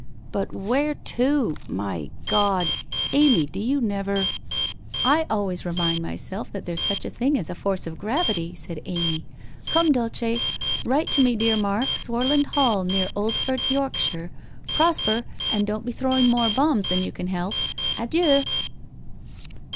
But where to? My God? Amy, do you never ?'' I always remind myself that there's such a thing as a force of gravity,' said Amy. ' Come, Dulce. Write to me, dear Mark: Swarland Hall, near Oldfort, York shire. Prosper — and don't he throwing more bombs than you can help ! Adieu.'